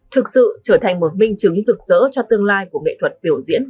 thực sự trở thành một minh chứng rực rỡ cho tương lai của nghệ thuật biểu diễn